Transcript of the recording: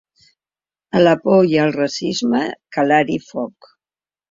A la por i al racisme, calar-hi foc.